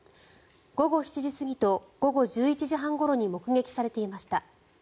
午後７時過ぎと午後１１時半ごろに目撃されていました。